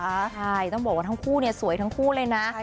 ใช่ต้องบอกว่าทั้งคู่เนี่ยสวยทั้งคู่เลยนะ